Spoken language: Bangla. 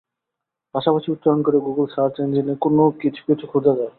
পাশাপাশি উচ্চারণ করেও গুগল সার্চ ইঞ্জিনে কোনো কিছু কিছু খোঁজা যায়।